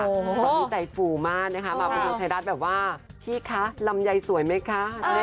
พี่จ๋าฝูมากนะคะมาบริษัทไทยรัฐแบบว่าพี่คะลำไยสวยไหมคะ